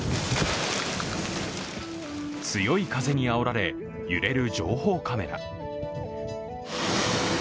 強い風にあおられ揺れる情報カメラ。